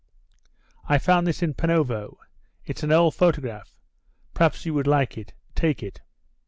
"I found this in Panovo it's an old photo; perhaps you would like it. Take it."